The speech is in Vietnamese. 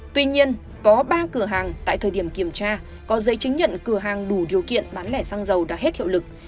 tuy nhiên có ba cửa hàng tại thời điểm kiểm tra có giấy chứng nhận cửa hàng đủ điều kiện bán lẻ xăng dầu đã hết hiệu lực